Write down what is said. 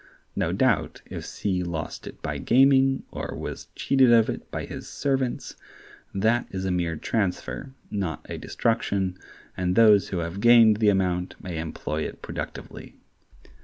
No doubt if C lost it by gaming, or was cheated of it by his servants, that is a mere transfer, not a destruction, and those who have gained the amount may employ it productively.